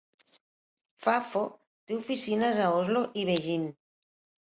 Fafo té oficines a Oslo i Beijing.